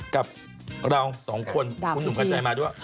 กับเราสองคนคุณหนุ่มกัญชัยมาด้วย